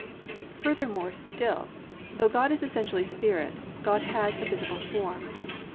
Furthermore still, though God is essentially spirit, God has a visible form.